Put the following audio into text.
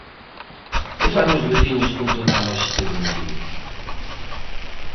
¿Que fan os veciños con toda a lóxica do mundo?